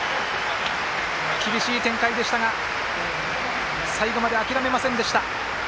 厳しい展開でしたが最後まで諦めませんでした。